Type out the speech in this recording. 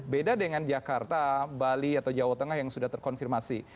beda dengan jakarta bali atau jawa tengah yang sudah terkonfirmasi